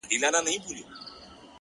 د موخې وضاحت د لارې نیمه اسانتیا ده’